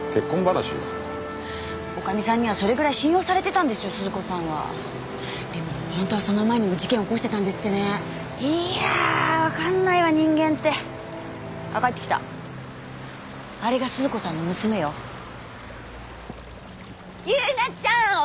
女将さんにはそれぐらい信用されてたんですよ鈴子さんはでもほんとはその前にも事件起こしてたんですってねいや分かんないわ人間ってあっ帰ってきたあれが鈴子さんの娘よ優奈ちゃんおかえり！